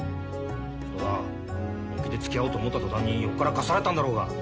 人が本気でつきあおうと思った途端に横からかっさらったんだろうが。